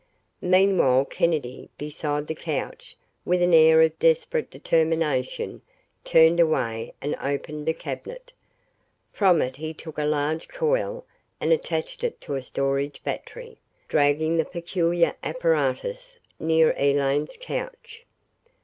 Meanwhile Kennedy, beside the couch, with an air of desperate determination, turned away and opened a cabinet. From it he took a large coil and attached it to a storage battery, dragging the peculiar apparatus near Elaine's couch.